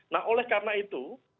nah oleh karena itu